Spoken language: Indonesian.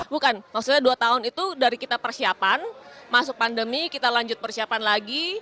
bukan maksudnya dua tahun itu dari kita persiapan masuk pandemi kita lanjut persiapan lagi